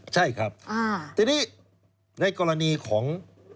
ใช่ครับทีนี้ในกรณีของ